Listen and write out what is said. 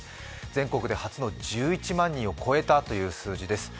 全国で初の１１万人を超えたという数字です。